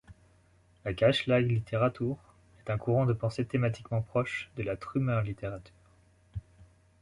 La Kahlschlagliteratur est un courant de pensée thématiquement proche de la Trümmerliteratur.